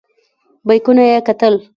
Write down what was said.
بیکونه یې کتل.